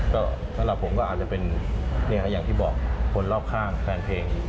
ก็สำหรับผมก็อาจจะเป็นอย่างที่บอกคนรอบข้างแฟนเพลง